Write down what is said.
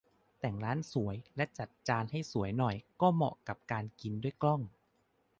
แต่งร้านสวยและจัดจานให้สวยหน่อย ก็จะเหมาะกับการกินด้วยกล้อง